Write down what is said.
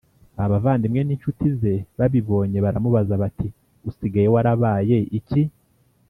Abavandimwe n’inshuti ze babibonye baramubaza bati: “usigaye warabaye iki